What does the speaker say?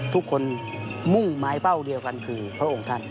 มุ่งไม้เป้าเดียวกันคือพระองค์ท่าน